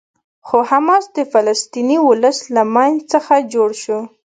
خو حماس د فلسطیني ولس له منځ څخه جوړ شو.